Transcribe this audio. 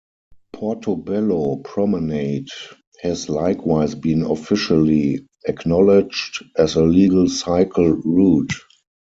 Portobello promenade has likewise been officially acknowledged as a legal cycle route.